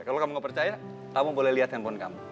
kalau kamu gak percaya kamu boleh lihat handphone kamu